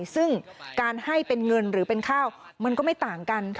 ซึ่งการให้เป็นเงินหรือเป็นข้าวมันก็ไม่ต่างกัน